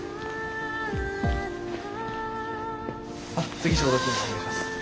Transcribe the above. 次消毒お願いします。